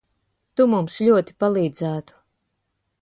Tu mums ļoti palīdzētu.